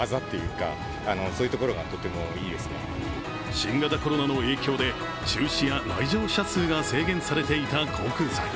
新型コロナの影響で中止や来場者数が制限されていた航空祭。